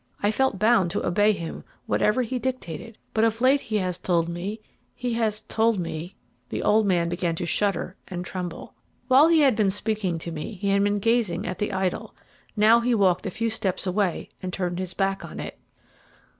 I felt bound to obey him, whatever he dictated; but of late he has told me he has told me " The old man began to shudder and tremble. While he had been speaking to me he had been gazing at the idol; now he walked a few steps away and turned his back on it.